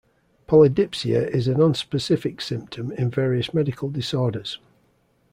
Polydipsia is a nonspecific symptom in various medical disorders.